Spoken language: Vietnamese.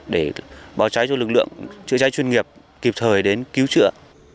để báo cháy cho lực lượng trị cháy chuyên nghiệp kịp thời đến cứu trựa